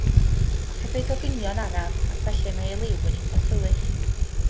Caiff ei goginio'n araf ac felly mae ei liw'n eitha tywyll.